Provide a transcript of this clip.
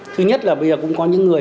thứ nhất là bây giờ cũng có những người